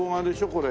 これ。